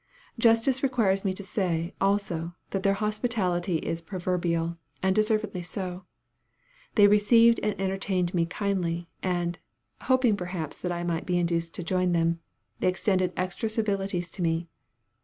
Justice requires me to say, also, that their hospitality is proverbial, and deservedly so. They received and entertained me kindly, and (hoping perhaps that I might be induced to join them) they extended extra civilities to me.